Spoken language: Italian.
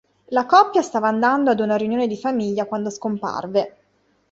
La coppia stava andando ad una riunione di famiglia quando scomparve.